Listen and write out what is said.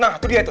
nah tuh dia itu